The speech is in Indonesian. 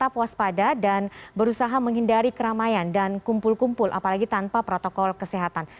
tetap waspada dan berusaha menghindari keramaian dan kumpul kumpul apalagi tanpa protokol kesehatan